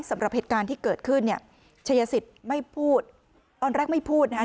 สำหรับเหตุการณ์ที่เกิดขึ้นเนี่ยชัยสิทธิ์ไม่พูดตอนแรกไม่พูดนะฮะ